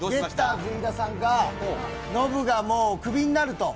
飯田さんが、ノブがもうクビになると。